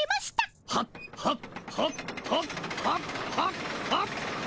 はっはっはっはっはっはっはっはっ。